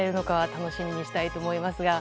楽しみにしたいと思いますが。